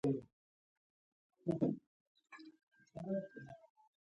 حال دا چې د دې خبرې اپوټه سمه راخېژي.